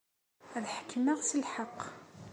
Ad ḥekmeɣ s lḥeqq.